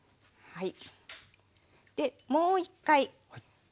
はい。